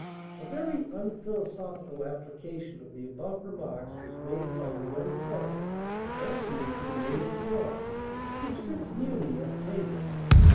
[A very unphilosophical application of the above remarks was made by a young fellow, answering to the name of John, who sits near me at table.